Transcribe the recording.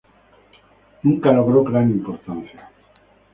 Nunca logró gran importancia.